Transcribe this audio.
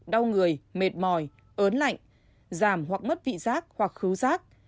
đau người mệt mỏi ớn lạnh giảm hoặc mất vị giác hoặc khứu rác